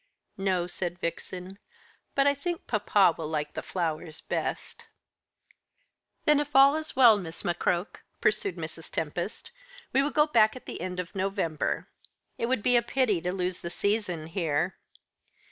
"No," said Vixen, "but I think papa will like the flowers best." "Then if all is well, Miss McCroke," pursued Mrs. Tempest, "we will go back at the end of November. It would be a pity to lose the season here."